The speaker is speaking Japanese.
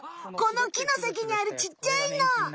この木のさきにあるちっちゃいの。